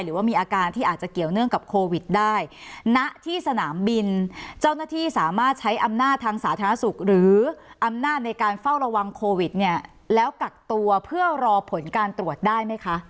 หรือว่ามีอาการที่อาจจะเกี่ยวเนื่องกับโควิดได้ณที่สนามบินเจ้าหน้าที่สามารถใช้อำนาจทางสาธารณสุขหรืออำนาจในการเฝ้าระวังโควิดเนี่ยแล้วกักตัวเพื่อรอผลการตรวจได้ไหมคะ